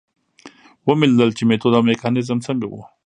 ومې لیدل چې میتود او میکانیزم څنګه و.